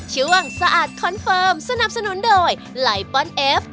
ช่วงสะอาดคอนเฟิร์มสนับสนุนโดยไลปอนเอฟ